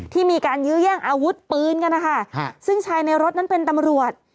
ที่มีการยื้อแย่งอาวุธปืนกันนะคะซึ่งชายในรถนั้นเป็นตำรวจ